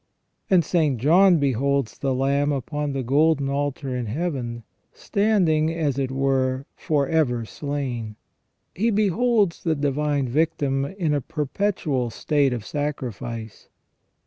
And St, John beholds the Lamb upon the golden altar in Heaven "standing as it were for ever slain". He beholds the Divine Victim in a perpetual state of sacrifice.